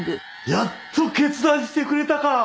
やっと決断してくれたか！